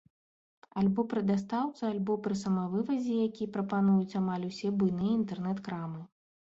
Альбо пры дастаўцы, альбо пры самавывазе, які прапануюць амаль усе буйныя інтэрнэт-крамы.